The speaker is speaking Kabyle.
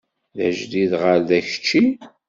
D ajdid ɣer da kečči?